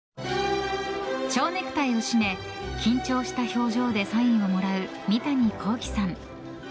蝶ネクタイを締め緊張した表情でサインをもらう三谷幸喜さん。